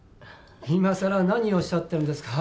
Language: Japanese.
いまさら何をおっしゃってるんですか？